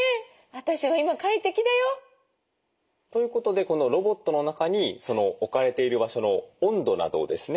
私は今快適だよ。ということでこのロボットの中に置かれている場所の温度などをですね